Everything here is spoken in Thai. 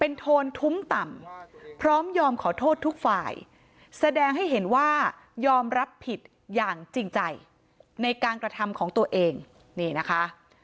โทนทุ้มต่ำพร้อมยอมขอโทษทุกฝ่ายแสดงให้เห็นว่ายอมรับผิดอย่างจริงใจในการกระทำของตัวเองนี่นะคะ